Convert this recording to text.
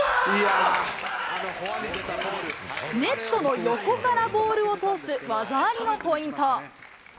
ネットの横からボールを通す技ありのポイント。